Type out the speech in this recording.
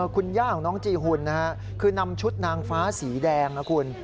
คุณย่าของน้องจีหุ่นคือนำชุดนางฟ้าสีแดงนะคุณ